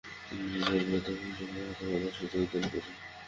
তিনি ইংরেজি ও আরবির অধ্যাপক হিসেবে কলকাতা মাদ্রাসায় যোগদান করেন।